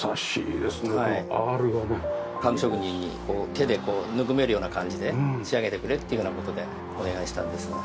家具職人にこう手でぬくめるような感じで仕上げてくれっていうような事でお願いしたんですが。